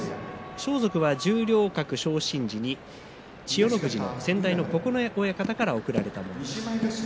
装束は十両格昇進時に千代の富士の先代の九重親方から贈られたものです。